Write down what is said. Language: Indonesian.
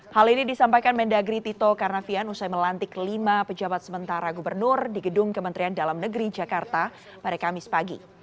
hal ini disampaikan mendagri tito karnavian usai melantik lima pejabat sementara gubernur di gedung kementerian dalam negeri jakarta pada kamis pagi